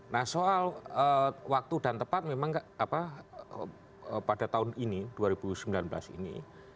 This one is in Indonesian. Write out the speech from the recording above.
nah soal waktu dan tepat memang pada tahun ini dua ribu sembilan belas ini